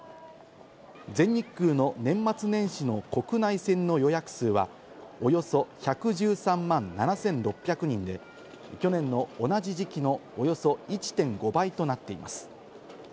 全日空の年末年始の国内線の予約数は、およそ１１３万７６００人で、去年の同じ時期のおよそ１．５倍となっています。